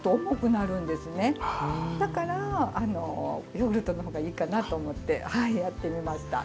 だからヨーグルトの方がいいかなと思ってやってみました。